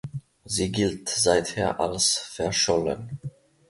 Sie gilt seither als verschollen.